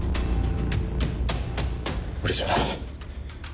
俺じゃない。